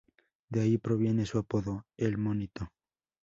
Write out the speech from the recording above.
De ahí proviene su apodo, "El Monito".